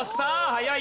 早い。